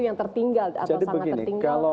yang tertinggal atau sangat tertinggal